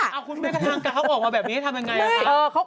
เอ้าคุณแม่กระทางกราฟออกมาแบบนี้ทำอย่างไรครับ